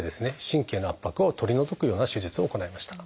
神経の圧迫を取り除くような手術を行いました。